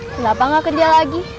kenapa nggak kerja lagi